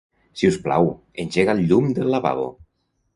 Si us plau, engega el llum del lavabo.